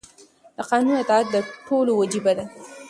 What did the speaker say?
د قانون اطاعت د ټولو وجیبه ده.